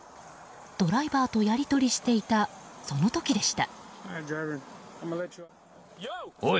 ドライバーとやり取りしていたその時でした。